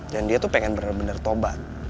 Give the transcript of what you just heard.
dan dia tuh pengen bener bener toba